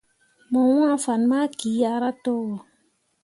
Mo wãã fan ma kiahra towo.